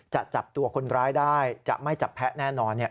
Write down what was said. จะจับตัวคนร้ายได้จะไม่จับแพ้แน่นอน